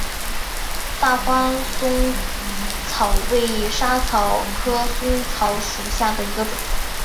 大花嵩草为莎草科嵩草属下的一个种。